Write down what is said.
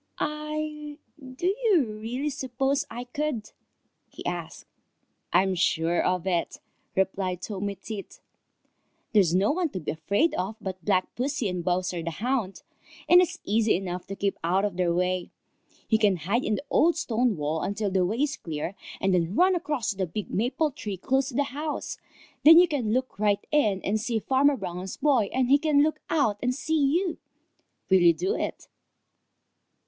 "I I do you really suppose I could?" he asked. "I'm sure of it," replied Tommy Tit. "There's no one to be afraid of but Black Pussy and Bowser the Hound, and it's easy enough to keep out of their way. You can hide in the old stone wall until the way is clear and then run across to the big maple tree close to the house. Then you can look right in and see Farmer Brown's boy, and he can look out and see you. Will you do it?"